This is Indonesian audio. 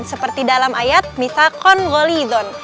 seperti dalam ayat misakon golidon